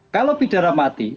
kalau pidana mati